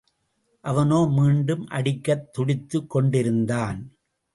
அவனோ மீண்டும் அடிக்கத் துடித்துக் கொண்டிருந்தான்.